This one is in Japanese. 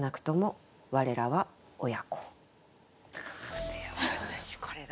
これは私これだ。